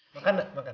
makan gak makan